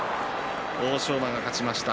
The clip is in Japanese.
欧勝馬が勝ちました。